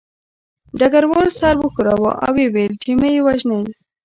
ډګروال سر وښوراوه او ویې ویل چې مه یې وژنئ